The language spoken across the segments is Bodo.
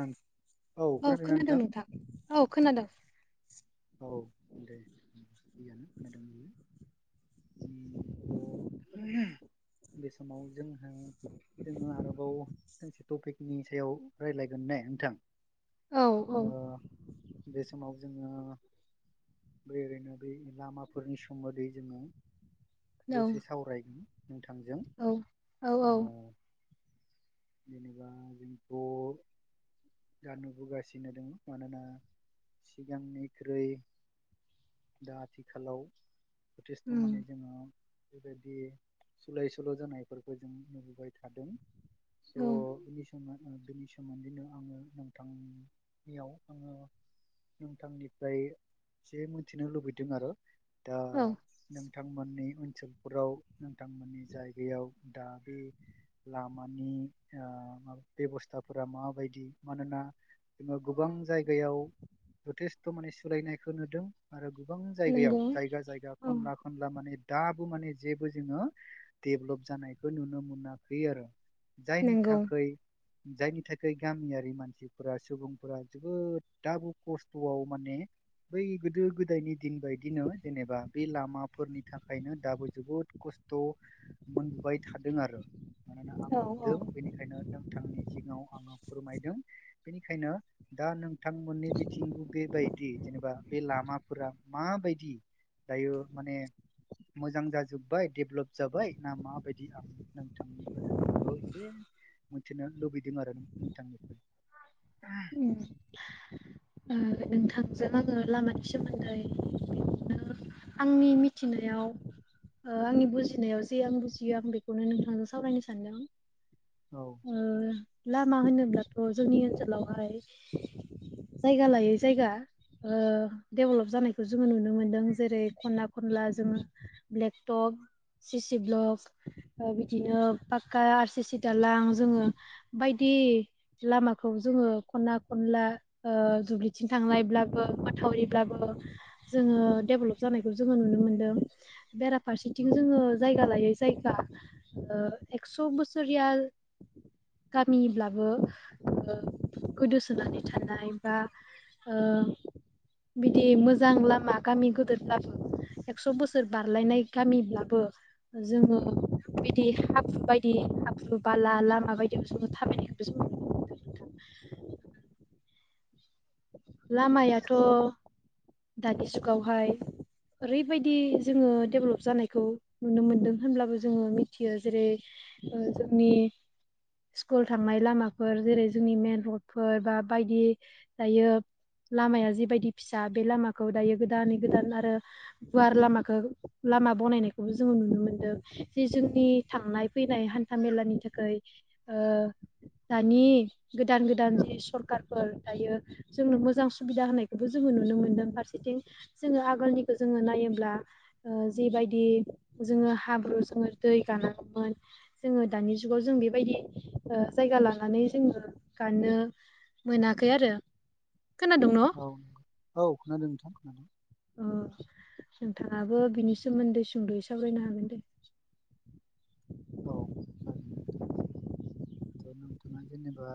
ओं। औ खोनादों नोंथां औ खोनादों। औ [unintelligible] [unintelligible] बे समाव जोंहा जोङो आरोबाव मोनसे से टपिकनि सायाव रायज्लायगोन ने नोंथां? औ औ। ओ बे समाव जोङो ओरैनो बे लामाफोरनि सोमोन्दै जोङो औ दसे सावरायगोन नोंथांजों औ औ औ ओ जेनेबा जोंथ' दा नुबोगासिनो दङ मानोना सिगांनि ख्रुयै दा आथिखालाव जथेस्थ' उम माने जोङो बेबायदि सोलाय सोल' जानायफोरखौ जों नुबोबाय थादों। स' औ उननि समा बेनि सोमोन्दैनो आङो नोंथांनियाव आङो नोंथांनि ओमफ्राय एसे मिथिनो लुबैदों आरो दा औ नों नोंथांमोननि ओनसोलफोराव नोंथांमोननि जायगायाव दा बे लामानि ओ बेबस्थाफोरा माबायदि मानोना जोङो गोबां जायगायाव जथेस्थ थ' माने सोलायनायखौ नोदों आरो गोबां जायगायाव नंगौ जायगा जायगा औ खना खनला माने दाबो माने जेबो जोङो देभल्प जानायखौ नुनो मोनाखै आरो। जायनि नंगौ थाखै जायनि थाखाय गामियारि मानसिफोरा सुबुंफोरा जोबोद दाबो खस्थ'आव माने बै गोदो गोदायनि दिन बायदिनो जेनेबा बे लामाफोरनि थाखायनो दाबो जोबोद खस्थ खस्थ' मोनबोबाय थादों आरो। मानोना आं औ औ नुदों बेनिखायनो नोंथांनि सिगाङाव आङो फोरमायदों। बेनिखायनो दा नोंथांमोननि बिथिंबो बे जेनेबा बे लामाफोरा माबायदि दायो माने मोजां जाजोब्बाय डेभेलप जाबाय नामा माबायदि आं नोंथांनिफ्राय आं बेखौ एसे मिथिनो लुबैदों आरो नोंथांनिफ्राय। [inaudible] उम। ओ नोंथांजों आङो लामानि सोमोन्दै ओ आंनि मिथिनायाव ओ आंनि बुजिनायाव जे आं बुजियो आं बेखौनो नोंथांजों सावरायनो सानदों‌। औ ओ लामा होनोब्लाथ' जोंनि ओनसोलावहाय जायगा लायै जायगा ओ देभलप जानायखौ जोङो नुनो मोन्दों जेरै खनला-खनला जोङो ब्लेकटप सि-सि ब्लक ओ बिदिनो पाक्का आर सि-सि दालां जोङो बायदि बे लामाखौ जोङो खना-खनला दुब्लिथिं थांनायब्लाबो माथावरिब्लाबो जोङो देभलप जानायखौ जोङो नुनो मोन्दों। औ बेराफारसेथिं जोङो जायगा लायै जायगा ओ एकस' बोसोरिया गामिब्लाबो ओ गोदोसोनानै थानाय बा ओ बिदि मोजां लामा गामि गोदोरब्लाबो एकस' बोसोर बारलायनाय गामिब्लाबो जोङो बिदि हाब्रु बायदि हाब्रु बाला लामा बायदि जों थाबायनायखौबो जों [inaudible] लामायाथ' दानि जुगावहाय ओरैबायदि जोङो देभलप जानायखौ नुनो मोनदों होनब्लाबो जोङो मिथियो जेरै ओ जोंनि स्कुल थांनाय लामाफोर जेरै जोंनि मेन रडफोर बा बायदि दायो लामाया जिबायदि फिसा बे लामाखौ दायो गोदानै गोदान आरो गुवार लामाखौ लामा बनायनायखौबो जोङो नुनो मोनदों जे जोंनि थांनाय फैनाय हान्था मेलानि थाखाय ओ जोंनो मोजां सुबिदा होनायखौबो जोङो नुनो मोन्दों फारसेथिं जोङो आगोल [inaudible] जों बेबायदि जायगा लानानै जोङो गानो मोनाखै आरो खोनादों न' [inaudible] अ नोंथाङाबो बिनि सोमोन्दै सुंद'यै साबरायनो औ जागोन। थ' नोंथाङा जेनेबा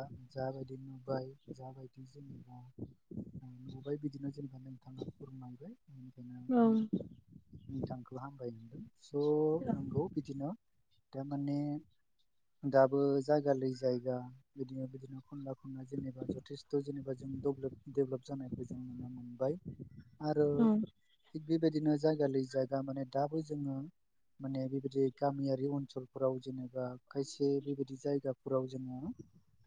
नुुबाय बिदिनो जेनबा नोंथाङा फोरमायबाय औ नोंथांखौ हामबाय होनदों स' नोंगौ बिदिनो [inaudible] दाबो जायगा ल जायगा बिदिनो बिदिनो खनला खनला जेनेबा जथेस्थ' जेनेबा जों बादेभ्लफ जानायखौ जों नुनो मोनबाय आरो औ बेबायदिनो जायगा लै जायगा माने दाबो जोङो माने बेबायदि गामियारि ओनसोलफोराव जेनेबा खायसे बेबायदि जायगाफोराव जोङो।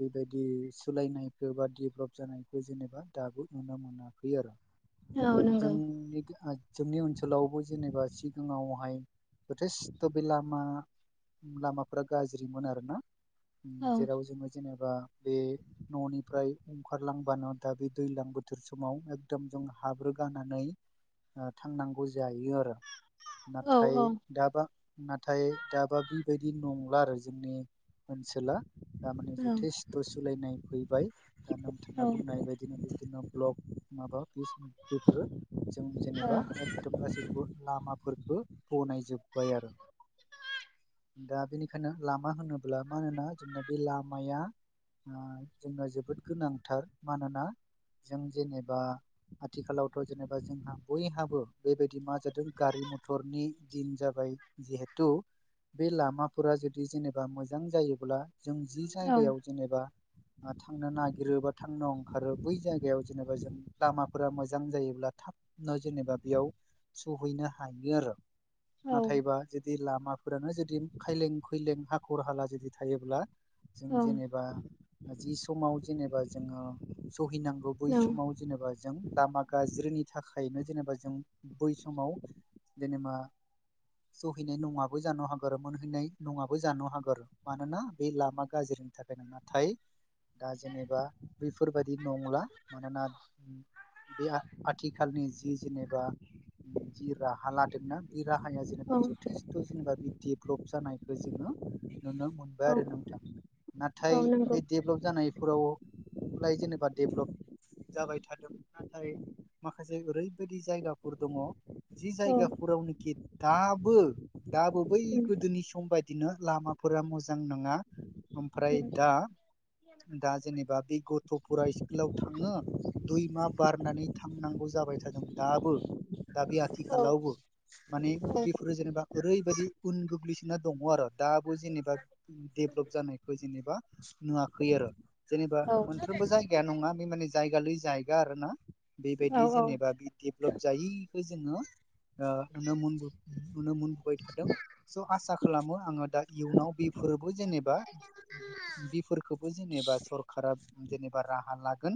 बेबायदि सोलायनायखौ बादेभ्लप जानायखौ जेनेबा दाबो नुनो मोनाखै आरो। औ [inaudible] नंगौ जोंनि ओनसोलावबो जेनेबा सिगाङावहाय जथेस्थ' बे लामा लामाफोरा गाज्रिमोन आरोना औ जेराव जोङो जेनेबा न'निफ्राय ओंखारलांबानो दा बे दैज्लां बोथोर समाव एकदम जों हाब्रु गानानै थांनांगौ जायो आरो औ नाथाय औ दाबा नाथाय दाबा बेबायदि नंला आरो जोंनि ओनसोला। थारमाने औ जथेस्थ' सोलायनाय फैबाय। मा बेफोरो जों जेनेबा औ एकदम गासैखौबो लामाफोरखो बनायजोबाय आरो। [inaudible] दा बेनिखायनो लामा होनोब्ला मानो होना जोंना बे लामाया। जोंनो जोबोद गोनांथार मानोना जों जेनेबा आथिखालावथ' जेनेबा जोंहा बयहाबो बेबायदि मा जादों गारि मथरनि दिन जाबाय। जिहतु बे लामाफोरा जुदि जेनेबा मोजां जायोब्ला जों जि जायगायाव जेनेबा थांनो नागिरो बा थांनो ओंखारो बै जायगायाव जेनेबा जों लामाफोरा मोजां जायोब्ला दा जेनेबा बेयाव सहैनो हायो आरो औ नाथायबा जुदि लाम फोरानो जुदि खायलें खुलें हाखर हाला जुदि थायोब्ला जों औ जेनेबा जि समाव जेनेबा जोङो सहिनांगौ बै औ समाव जेनेबा जों लामा गाज्रिनि थाखायनो जेनेबा जों बै समाव जेनेबा सहैनाय नङा ज हागार मोनहैनाय नङाबो जानो हागार मानोना बे लामा गाज्रिनि थाखाय नाथाय दा जेनेबा बैफोरबादि नंला मानोना बे आथिखालनि जि जेनेबा जि राहा लादोंना बे राहा हाया औ जेनेबा जथेस्थ' जेनेबा बे डेभलप जानायखौ जोङो नुनो मोनबाय औ आरो नोंथां औ नाथाय नंगौ बे डेभेलप जानायफोराव लाइ जेनेबा डेभलप जाबाय थादों नाथाय माखासे ओरैबायदि जायगाफोर दङ जि औ जायगाफोरावनोखि दाबो दाबो बै उम गोदोनि सम बायदिनो लामाफोरा मोजां नङा ओमफ्राय उम दा दा जेनेबा बे गथ'फोरा स्कुलाव थाङो दुइ मा बारनानै थांनांगौ ज जाबाय थादों दाबो दा बे औ आथिखालावबो माने बेफोरो जेनेबा ओरैबायदि उन गोग्लैसोना दङ आरो दाबो जेनेबा दडेभ्लप जानायखौ जेनेबा नुवाखै आरो जेनेबा औ मोनफ्रोमबो जायगाया नङा बे माने जायगा लै जायगा आरो ना। औ बेबायदि औ जेनेबा बिदेब्लब जायखौ जोङो ओ नुनो मोनगोन नुनो मोनगोन बाय थादों स' आसा खालामो आङो दा इयुनाव बेफोरबो जेनेबा बेफोरखौबो जेनेबा सरखारा जेनेबा राहा लागोन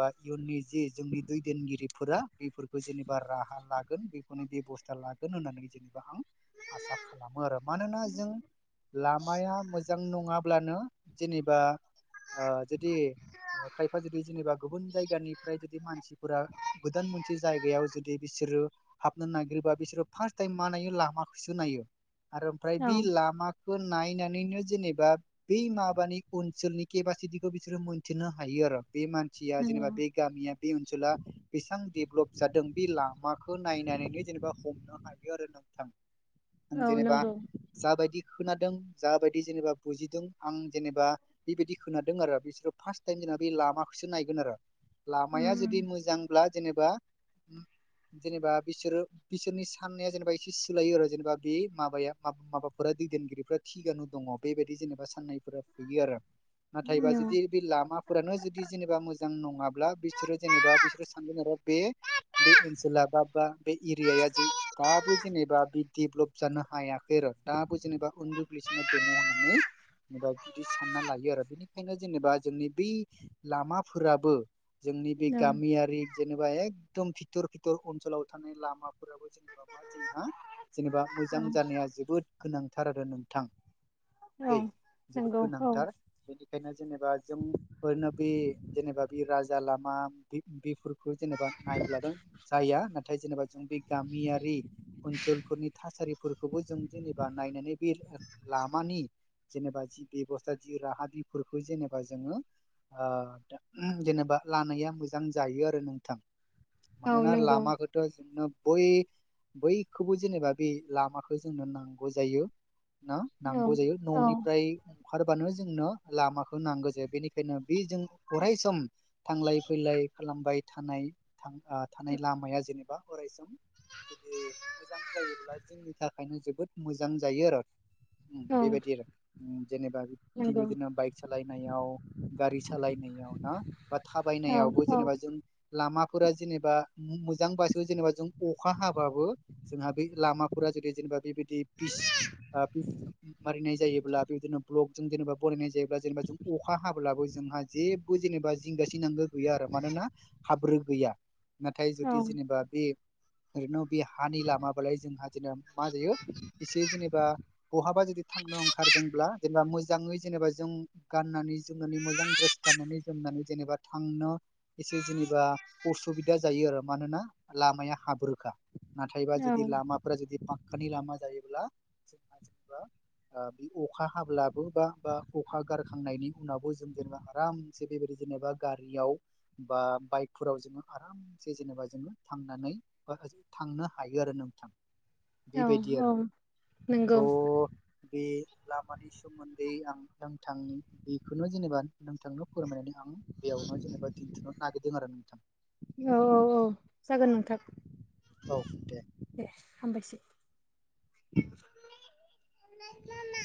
बा इयुननि जे जोंनि दैदेनगिरिफोरा बेफोरखौ जेनेबा राहा लागोन बेखौनो बेब'स्था लागोन होन्नानै जेनेबा आं आसा खालामो आरो मानोना जों लामाया मोजां नङाब्लानो जेनेबा ओ जुदि खायफा जुदि जेनेबा गुबुन जायगानिफ्राय जुदि मानसिफोरा गोदान मोनसे जायगायाव जुदि बिस सोरो हाबनो नागिरबा बिसोरो फास टाइम मा नायो लामा खौसो नायो आरो ओमफ्राय बे लामा खो नायनानैनो जेनेबा बै माबानि ओनसोलनि केपासिटिखौ बिसोरो मोनथिनो हायो बे मानसिया नंगौ जेनेबा बे गामिया बे ओनसोला बेसेबां देब्लब जादों बे लामाखो नायनानैनो जेनेबा हमनो हायो आरो नोंथां। औ जेनेबा नंगौ जाबायदि खोनादों जाबायदि जेनेबा बुजिदों आं जेनेबा बेबायदि खोनादों आरो बिसोरो फास टाइम दा बे लामाखोसो नायगोन आरो लामाया उम जुदि मोजां ब्ला जेनेबा जेनेबा बिसोरो बिसोरनि साननाया जेनेबा एसे सोलायो आरो जेनेबा बा बे माबाया माबाफोरा दैदेनगिरिफ्रा थिगानु दङ बेबायदि जेनेबा साननाय फोरा फैयो आरो। उम नाथायबा औ जुदि बे लामाफोरानो जुदि जेनेबा मोजां नङाब्ला बिसोरो जेनेबा बिसोरो सानदों आरो बे बे ओनसोला बा बा बे एरियाया जे दाबो जेनेबा बे डेभलप जानो हायाखै आरो दाबो जेनेबा उन्दु गोग्लैसोना दङ होननानै जेनेबा बिदि सानना लायो आरो बेनिखायनो जेनेबा जोंनि बै लामाफोराबो जोंनि बे औ गामियारि जेनेबा एकदम फिथर फिथर ओनसोलाव थानाय लामाफोराबो जेनेबा मा जोंहा जेनेबा मोजां जानाया जोबोद गोनांथार आरो नोंथां। औ औ दै जोबोद नंगौ औ गोनांथार बेनिखायनो जेनेबा जोंफोरनो बे जेनेबा बे राजा लामा बे-बेफोरखौ जेनेबा नायब्लाल' जाया। नाथाय जेनेबा जों बे गामियारि ओनसोल थासारिफोरखोबो जों जेनेबा नायनानै बे लामानि जेनेबा जि बेब'स्था जि राहा बिफोरखौ जेनेबा जोङो ओ जेनेबा लानाया मोजां जायो आरो नोंथां। औ मानोना नंगौ लामाखौथ' जोंनो बै बैखौबो जेनेबा बे लामाखो जोंनो नांगौ जायो न औ नांगौ जायो औ न'निफ्राय अखारबानो जोंनो लामाखौ नांगो जायो। बेनिखायनो बे जों अराय सम थांलाय फैलाय खालामबाय थानाय थां आं थानाय लामाया जेनेबा अरायसम जुदि मोजां जायोब्ला जोंनि थाखायनो जोबोद मोजां जायो आरो। उम औ बेबायदि आरो। जेनेबा थिग नंगौ बिदिनो बाइक सालायनायाव गारि सालायनायाव ना बा औ थाबायनायाव अ औ जेनेबा जों लामाफोरा जेनेबा मोजां बासो जेनेबा जों अखा हाबाबो जोंहा बे लामाफोरा जदि जेनेबा बेबायदि फिस ओ [unintelligible] मारिनाय जायो। अब्ला बेदिनो बल्क जों जेनेबा बनायनाय जायोब्ला जेनेबा जों अखा हाब्लाबो जोंहा जेबो जेनेबा जिंगासिनांगौ गैया आरो मानोना हाब्रो गैया नाथाय औ जुदि जेनेबा बे ओरैनो बे हानि लामाबालाय जोंहा जेनेबा मा जायो एसे जेनेबा बहाबा जुदि थांनो ओंखारदोंब्ला, जेनेबा मोजाङै जेनेबा जों गाननानै जोमनानै मोजां ड्रेस गाननानै जों जेनेबा थांनो एसे जेनेबा असुबिदा जायो आरो मानोना लामाया हाब्रोखा। नाथायबा औ जुदि लामाफोरा जुदि फाखक्कानि लामा जायोब्ला जोंहा जेनेबा बे अखा हाब्लाबो बा बा अखा गारखांनायनि उनावबो जों जेनेबा आरम से बेबायदि जेनेबा गारियाव बा बाइकाफोराव जों आरामसे जेनेबा थांनानै थानो हायो आरो नोंथां नंगौ बेबायदि आरो औ थ' बे लामानि सोमोन्दै आं नोंथांनो बेखौनो जेनेबा नोंथांनो फोरमायनानै आं बेयावनो जेनेबा दिन्थ'नो नागिरदों आरो नोंथां औ औ जागोन नोंथां औ दे दे हामबायसै [inaudible] [unintelligible]